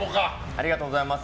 ありがとうございます。